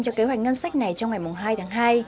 cho kế hoạch ngân sách này trong ngày hai tháng hai